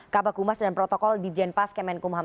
kabak humas dan protokol di jenpas kemenkumham